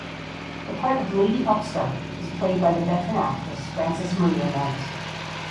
The part of Lady Upstart was played by the veteran actress Frances Maria Knight.